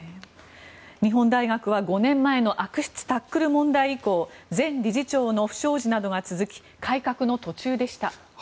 日本大学は５年前の悪質タックル問題以降前理事長の不祥事などが続き改革の途中でした。